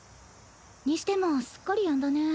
にしてもすっかりやんだね。